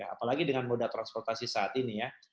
apalagi dengan moda transportasi saat ini ya